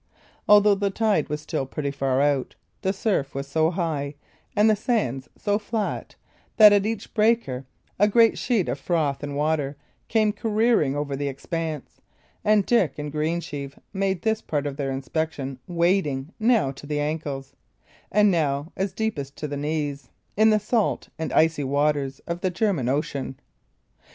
Although the tide was still pretty far out, the surf was so high, and the sands so flat, that at each breaker a great sheet of froth and water came careering over the expanse, and Dick and Greensheve made this part of their inspection wading, now to the ankles, and now as deep as to the knees, in the salt and icy waters of the German Ocean.